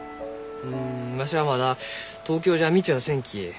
うんわしはまだ東京じゃ見ちゃあせんき。